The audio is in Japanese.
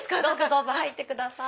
どうぞ入ってください。